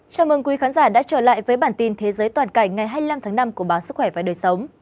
chào mừng quý khán giả đã trở lại với bản tin thế giới toàn cảnh ngày hai mươi năm tháng năm của báo sức khỏe và đời sống